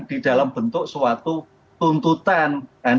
di dalam bentuk suatu tuntutan